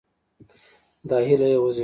دا هیله یې وزېږوله.